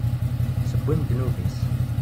Tewwim ddnub-is.